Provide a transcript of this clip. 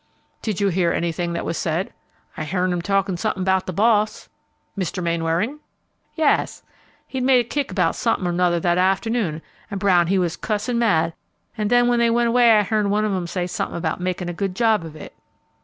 "Did you hear anything that was said?" "I hearn 'em talkin' somethin' about the boss." "Mr. Mainwaring?" "Yas. He'd made a kick about somethin' or 'nuther that afternoon, an' Brown he was cussin' mad, an' then when they went away I hearn one of 'em say somethin' about 'makin' a good job of it.'"